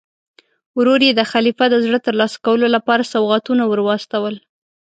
ورور یې د خلیفه د زړه ترلاسه کولو لپاره سوغاتونه ور واستول.